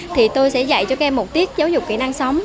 thì tôi sẽ dạy cho các em một tiết giáo dục kỹ năng sống